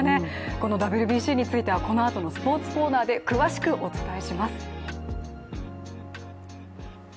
このＷＢＣについては、このあとのスポーツコーナーで詳しくお伝えします。